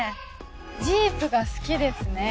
ジープが好きですね。